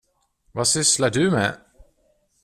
Vad sysslar du med?